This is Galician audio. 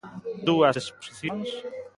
Dúas exposicións.